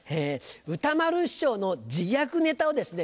歌丸師匠の自虐ネタをですね